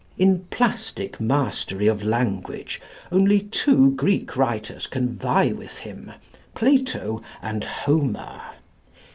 In plastic mastery of language only two Greek writers can vie with him, Plato and Homer.